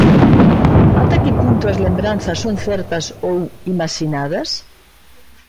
Ata que punto as lembranzas son certas ou imaxinadas?